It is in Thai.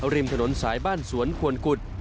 ริมถนนสายบ้านสวนควนกุฎ